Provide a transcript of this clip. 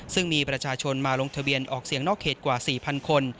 ซึ่งมีประชาชนมาลงทะเบียนออกเสียงนอกเขตกว่า๔๐๐คน